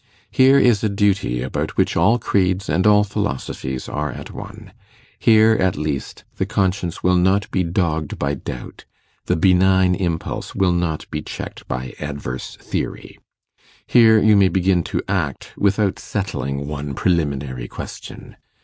Here is a duty about which all creeds and all philosophies are at one: here, at least, the conscience will not be dogged by doubt, the benign impulse will not be checked by adverse theory: here you may begin to act without settling one preliminary question.